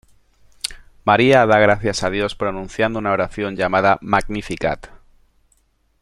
María da gracias a Dios pronunciando una oración llamada "Magnificat".